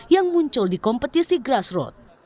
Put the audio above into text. yang muncul di kompetisi grassroot